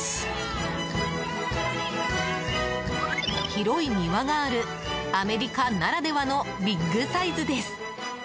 広い庭があるアメリカならではのビッグサイズです。